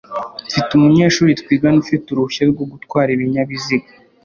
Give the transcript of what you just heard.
Mfite umunyeshuri twigana ufite uruhushya rwo gutwara ibinyabiziga.